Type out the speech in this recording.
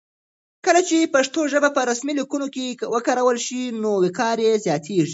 کله چې پښتو ژبه په رسمي لیکونو کې وکارول شي نو وقار یې زیاتېږي.